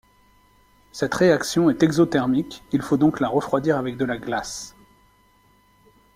Cette réaction est exothermique, il faut donc la refroidir avec de la glace.